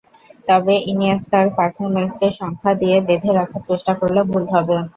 তবে ইনিয়েস্তার পারফরম্যান্সকে সংখ্যা দিয়ে বেঁধে রাখার চেষ্টা করলে ভুল হবে।